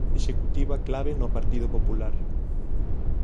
Executiva clave no Partido Popular.